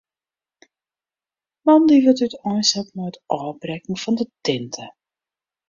Moandei wurdt úteinset mei it ôfbrekken fan de tinte.